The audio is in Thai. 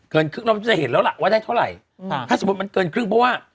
ครึ่งเราจะเห็นแล้วล่ะว่าได้เท่าไหร่ถ้าสมมุติมันเกินครึ่งเพราะว่า